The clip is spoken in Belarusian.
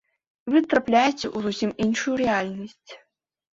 І вы трапляеце ў зусім іншую рэальнасць.